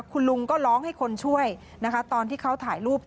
คุณลุงก็ร้องให้คนช่วยนะคะตอนที่เขาถ่ายรูป